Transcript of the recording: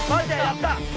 やった！